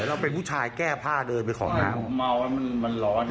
ลูกขอโทษจริงครับ